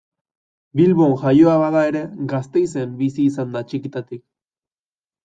Bilbon jaioa bada ere Gasteizen bizi izan da txikitatik.